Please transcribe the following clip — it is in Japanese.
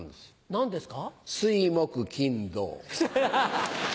何ですか？